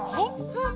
あっ！